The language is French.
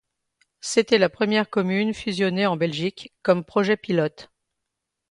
C'était la première commune fusionnée en Belgique, comme projet-pilote.